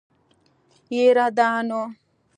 يره دا نو.